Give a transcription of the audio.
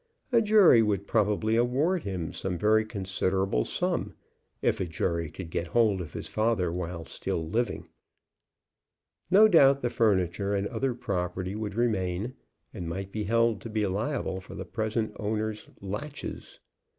A jury would probably award him some very considerable sum, if a jury could get hold of his father while still living. No doubt the furniture and other property would remain, and might be held to be liable for the present owner's laches.